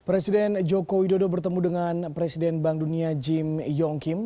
presiden joko widodo bertemu dengan presiden bank dunia jim yong kim